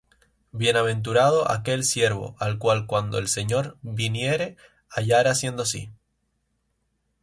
Bienaventurado aquel siervo, al cual, cuando el señor viniere, hallare haciendo así.